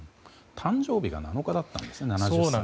誕生日が７日だったんですね。